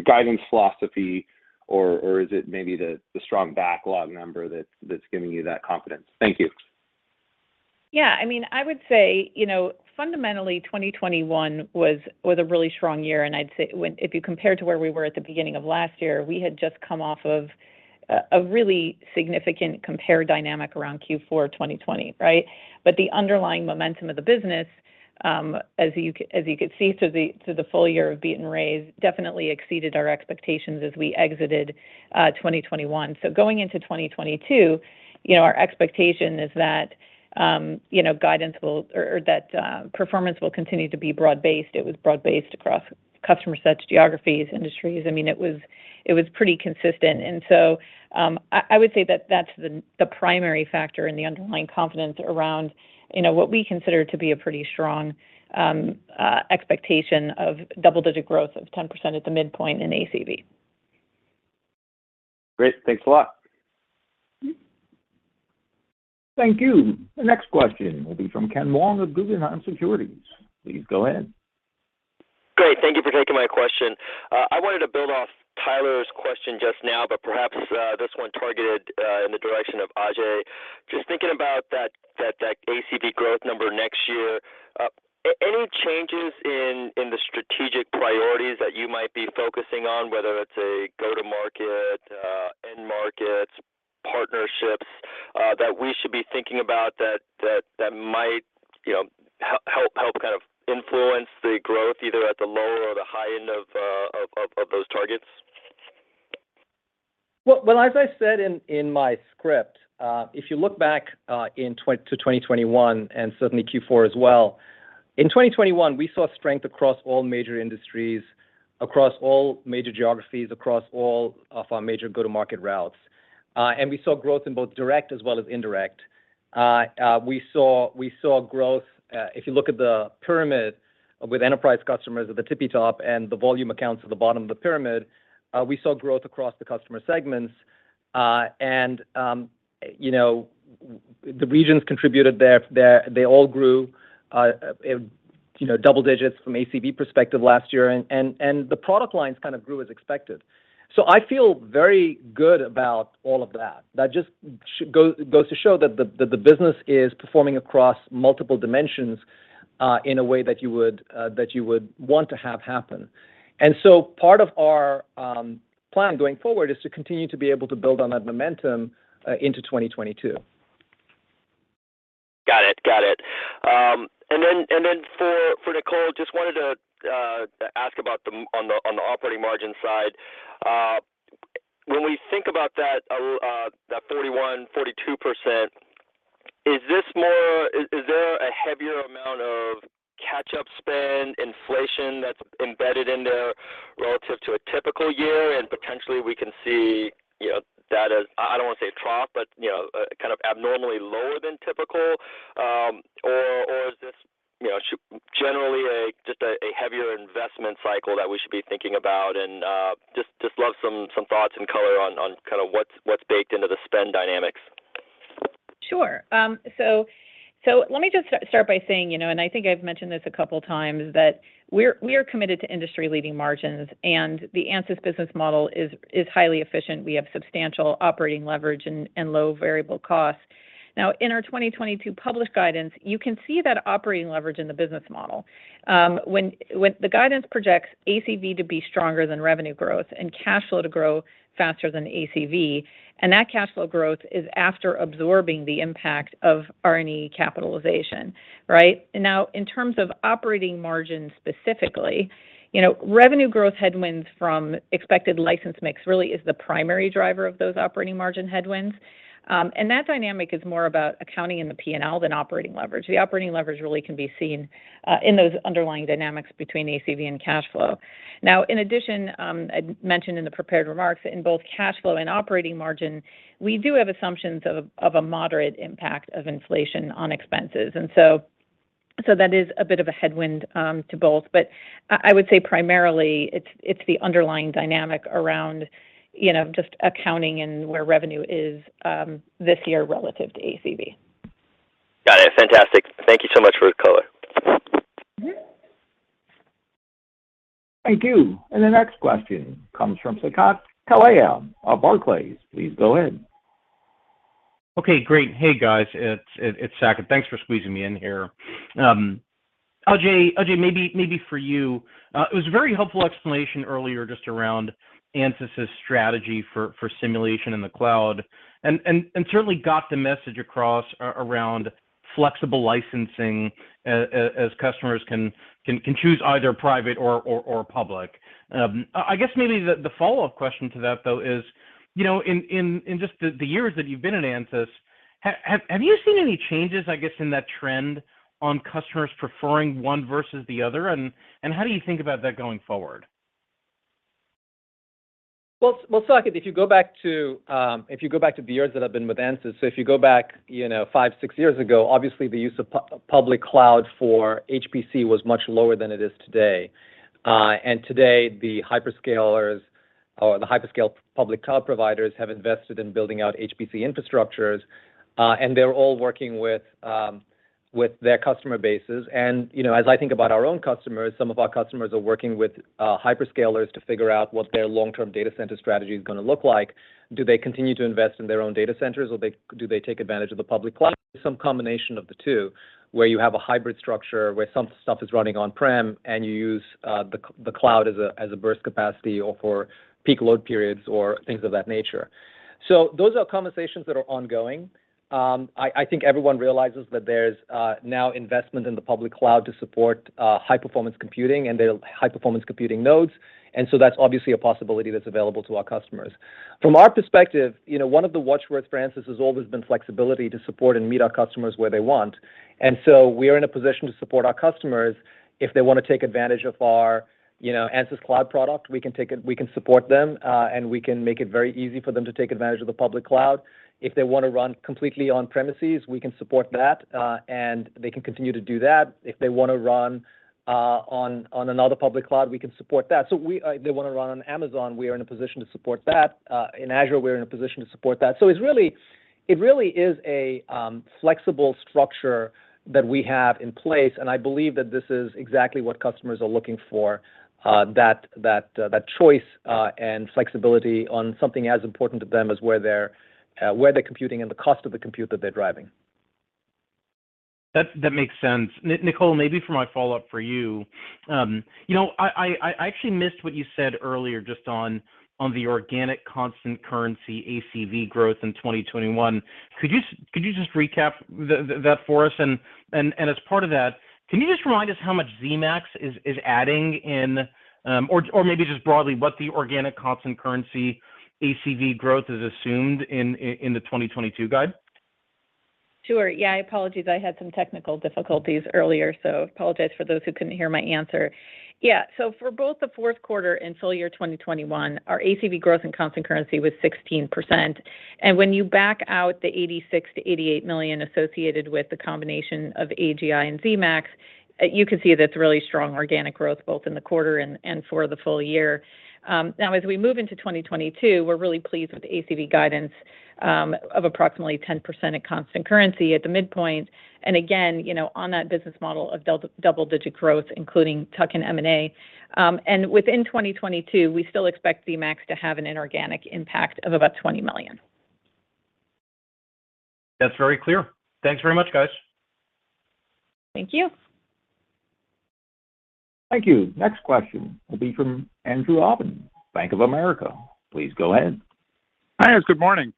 guidance philosophy or is it maybe the strong backlog number that's giving you that confidence? Thank you. Yeah, I mean, I would say, you know, fundamentally 2021 was a really strong year, and I'd say when, if you compare to where we were at the beginning of last year, we had just come off of a really significant compare dynamic around Q4 2020, right? The underlying momentum of the business, as you could see through the full year of beat and raise, definitely exceeded our expectations as we exited 2021. Going into 2022, you know, our expectation is that, you know, guidance will or that performance will continue to be broad-based. It was broad-based across customer sets, geographies, industries. I mean, it was pretty consistent. I would say that's the primary factor in the underlying confidence around, you know, what we consider to be a pretty strong expectation of double-digit growth of 10% at the midpoint in ACV. Great. Thanks a lot. Mm-hmm. Thank you. The next question will be from Ken Wong of Guggenheim Securities. Please go ahead. Great. Thank you for taking my question. I wanted to build off Tyler's question just now, but perhaps this one targeted in the direction of Ajei. Just thinking about that ACV growth number next year, any changes in the strategic priorities that you might be focusing on, whether that's a go-to-market, end markets, partnerships, that we should be thinking about that might, you know, help kind of influence the growth either at the low or the high end of those targets? Well, as I said in my script, if you look back to 2021 and certainly Q4 as well, we saw strength across all major industries, across all major geographies, across all of our major go-to-market routes. We saw growth in both direct as well as indirect. We saw growth if you look at the pyramid with enterprise customers at the tippy top and the volume accounts at the bottom of the pyramid. We saw growth across the customer segments. You know, the regions contributed there. They all grew, you know, double digits from ACV perspective last year. The product lines kind of grew as expected. I feel very good about all of that. That just goes to show that the business is performing across multiple dimensions, in a way that you would want to have happen. Part of our plan going forward is to continue to be able to build on that momentum into 2022. Got it. And then for Nicole, just wanted to ask about the operating margin side. When we think about that 41%-42%, is this more? Is there a heavier amount of catch-up spend, inflation that's embedded in there relative to a typical year? And potentially we can see, you know, that as, I don't want to say a trough, but, you know, kind of abnormally lower than typical. Or is this, you know, generally a just a heavier investment cycle that we should be thinking about? And I'd just love some thoughts and color on kind of what's baked into the spend dynamics. Sure. Let me just start by saying, you know, and I think I've mentioned this a couple times, that we are committed to industry-leading margins, and the Ansys business model is highly efficient. We have substantial operating leverage and low variable costs. Now, in our 2022 published guidance, you can see that operating leverage in the business model. When the guidance projects ACV to be stronger than revenue growth and cash flow to grow faster than ACV, and that cash flow growth is after absorbing the impact of R&E capitalization, right? Now, in terms of operating margin specifically, you know, revenue growth headwinds from expected license mix really is the primary driver of those operating margin headwinds. That dynamic is more about accounting in the P&L than operating leverage. The operating leverage really can be seen in those underlying dynamics between ACV and cash flow. Now, in addition, I mentioned in the prepared remarks, in both cash flow and operating margin, we do have assumptions of a moderate impact of inflation on expenses. That is a bit of a headwind to both. I would say primarily it's the underlying dynamic around, you know, just accounting and where revenue is this year relative to ACV. Got it. Fantastic. Thank you so much for the color. Thank you. The next question comes from Saket Kalia of Barclays. Please go ahead. Okay, great. Hey, guys. It's Saket. Thanks for squeezing me in here. Ajei, maybe for you, it was a very helpful explanation earlier just around Ansys' strategy for simulation in the cloud, and certainly got the message across around flexible licensing as customers can choose either private or public. I guess maybe the follow-up question to that, though, is, you know, in just the years that you've been at Ansys, have you seen any changes, I guess, in that trend on customers preferring one versus the other? How do you think about that going forward? Well, Saket, if you go back to the years that I've been with Ansys, you know, five, six years ago, obviously, the use of public cloud for HPC was much lower than it is today. Today, the hyperscalers or the hyperscale public cloud providers have invested in building out HPC infrastructures, and they're all working with their customer bases. You know, as I think about our own customers, some of our customers are working with hyperscalers to figure out what their long-term data center strategy is gonna look like. Do they continue to invest in their own data centers, or do they take advantage of the public cloud? Some combination of the two, where you have a hybrid structure, where some stuff is running on-prem, and you use the cloud as a burst capacity or for peak load periods or things of that nature. Those are conversations that are ongoing. I think everyone realizes that there's now investment in the public cloud to support high-performance computing and the high-performance computing nodes. That's obviously a possibility that's available to our customers. From our perspective, you know, one of the watch words for Ansys has always been flexibility to support and meet our customers where they want. We are in a position to support our customers if they want to take advantage of our, you know, Ansys Cloud product. We can support them, and we can make it very easy for them to take advantage of the public cloud. If they want to run completely on premises, we can support that, and they can continue to do that. If they want to run on another public cloud, we can support that. If they want to run on Amazon, we are in a position to support that. In Azure, we're in a position to support that. It really is a flexible structure that we have in place, and I believe that this is exactly what customers are looking for, that choice and flexibility on something as important to them as where they're computing and the cost of the compute that they're driving. That makes sense. Nicole, maybe for my follow-up for you. You know, I actually missed what you said earlier just on the organic constant currency ACV growth in 2021. Could you just recap that for us? As part of that, can you just remind us how much Zemax is adding in or maybe just broadly what the organic constant currency ACV growth is assumed in the 2022 guide? Sure. Yeah, apologies. I had some technical difficulties earlier, so I apologize for those who couldn't hear my answer. Yeah. For both the fourth quarter and full year 2021, our ACV growth in constant currency was 16%. When you back out the $86 million-$88 million associated with the combination of AGI and Zemax, you can see that's really strong organic growth both in the quarter and for the full year. Now as we move into 2022, we're really pleased with the ACV guidance of approximately 10% at constant currency at the midpoint. Again, you know, on that business model of double-digit growth, including tuck-in M&A. Within 2022, we still expect Zemax to have an inorganic impact of about $20 million. That's very clear. Thanks very much, guys. Thank you. Thank you. Next question will be from Andrew Obin, Bank of America. Please go ahead. Hi, guys. Good morning.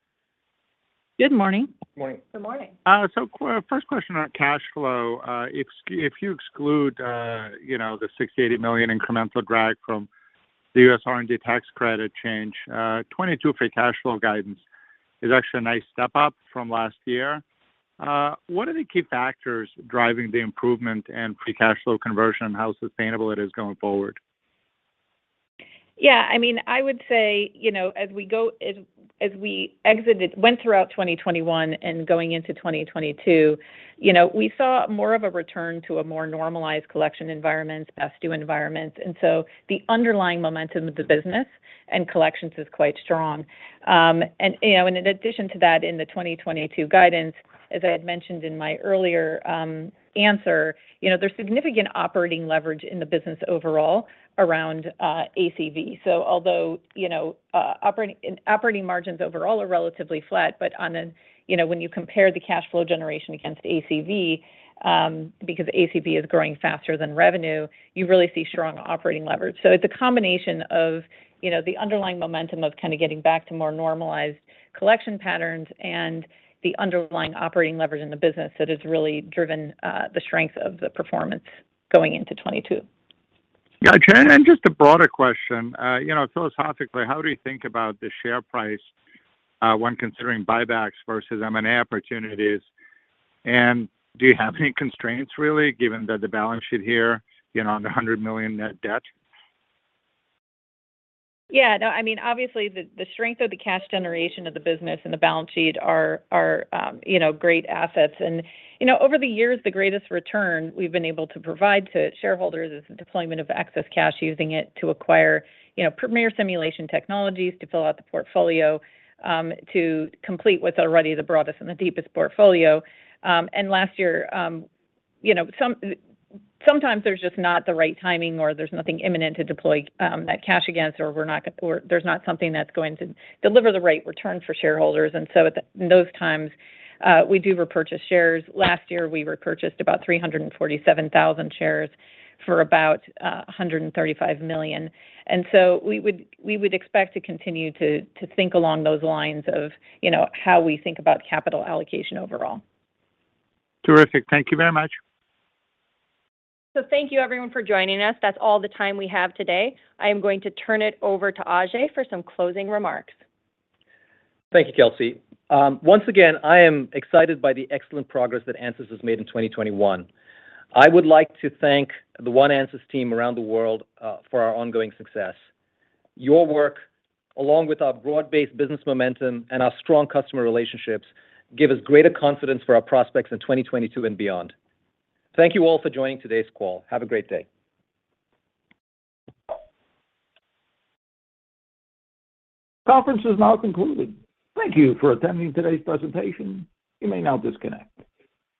Good morning. Good morning. First question on cash flow. If you exclude, you know, the $6 million-$80 million incremental drag from the U.S. R&D tax credit change, 2022 free cash flow guidance is actually a nice step up from last year. What are the key factors driving the improvement and free cash flow conversion, and how sustainable it is going forward? Yeah, I mean, I would say, you know, as we went throughout 2021 and going into 2022, you know, we saw more of a return to a more normalized collection environment, past due environment. The underlying momentum of the business and collections is quite strong. And, you know, in addition to that, in the 2022 guidance, as I had mentioned in my earlier answer, you know, there's significant operating leverage in the business overall around ACV. Although, you know, operating margins overall are relatively flat, but on a, you know, when you compare the cash flow generation against ACV, because ACV is growing faster than revenue, you really see strong operating leverage. It's a combination of, you know, the underlying momentum of kind of getting back to more normalized collection patterns and the underlying operating leverage in the business that has really driven the strength of the performance going into 2022. Just a broader question. You know, philosophically, how do you think about the share price when considering buybacks versus M&A opportunities? Do you have any constraints really, given that the balance sheet here, you know, under $100 million net debt? Yeah, no, I mean, obviously the strength of the cash generation of the business and the balance sheet are, you know, great assets. You know, over the years, the greatest return we've been able to provide to shareholders is the deployment of excess cash using it to acquire, you know, premier simulation technologies to fill out the portfolio, to complete what's already the broadest and the deepest portfolio. Last year, you know, sometimes there's just not the right timing or there's nothing imminent to deploy that cash against or there's not something that's going to deliver the right return for shareholders. In those times, we do repurchase shares. Last year, we repurchased about 347,000 shares for about $135 million. We would expect to continue to think along those lines of, you know, how we think about capital allocation overall. Terrific. Thank you very much. Thank you everyone for joining us. That's all the time we have today. I am going to turn it over to Ajei for some closing remarks. Thank you, Kelsey. Once again, I am excited by the excellent progress that Ansys has made in 2021. I would like to thank the one Ansys team around the world for our ongoing success. Your work, along with our broad-based business momentum and our strong customer relationships, give us greater confidence for our prospects in 2022 and beyond. Thank you all for joining today's call. Have a great day. Conference is now concluded. Thank you for attending today's presentation. You may now disconnect.